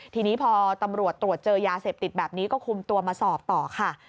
ทีนี้พอตำรวจตรวจเจอยาเสพติดแบบนี้ก็คุมตัวมาสอบต่อค่ะ